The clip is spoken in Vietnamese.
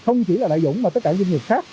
không chỉ là đại dũng mà tất cả doanh nghiệp khác